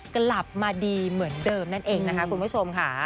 กลับมาดีเหมือนเดิมนั่นเองนะคะคุณผู้ชมค่ะ